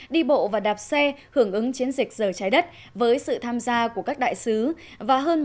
đi bộ và đạp xe hưởng ứng chiến dịch giờ trái đất với sự tham gia của các đại sứ và hơn